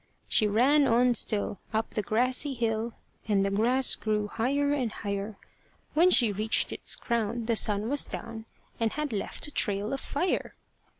She ran on still up the grassy hill, And the grass grew higher and higher; When she reached its crown, the sun was down, And had left a trail of fire.